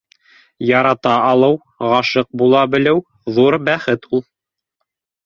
Ярата алыу, ғашиҡ була белеү ҙур бәхет ул